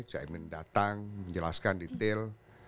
cak iman datang menjelaskan detail